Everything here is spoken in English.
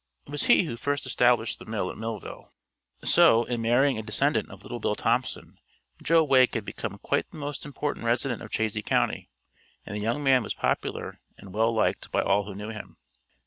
It was he who first established the mill at Millville; so, in marrying a descendant of Little Bill Thompson, Joe Wegg had become quite the most important resident of Chazy County, and the young man was popular and well liked by all who knew him.